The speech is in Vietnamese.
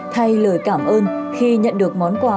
thay lời cảm ơn khi nhận được món quà